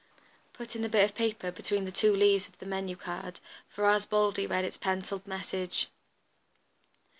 Putting the bit of paper between the two leaves of the menu card, Ferrars boldly read its pencilled message.